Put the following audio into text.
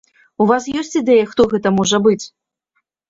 У вас ёсць ідэя, хто гэта можа быць?